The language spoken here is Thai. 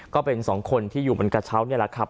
ก็เป็น๒คนที่อยู่บนกระเช้า